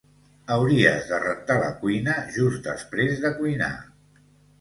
Hauríes de rentar la cuina just després de cuinar